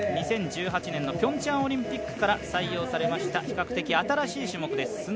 ２０１８年のピョンチャンオリンピックから採用されました比較的、新しい種目です